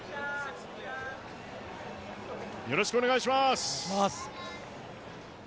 よろしくお願いします。